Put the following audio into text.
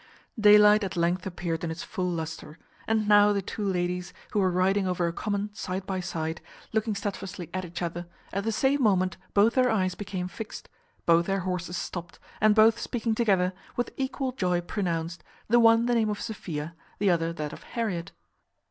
Daylight at length appeared in its full lustre; and now the two ladies, who were riding over a common side by side, looking stedfastly at each other, at the same moment both their eyes became fixed; both their horses stopt, and, both speaking together, with equal joy pronounced, the one the name of Sophia, the other that of Harriet.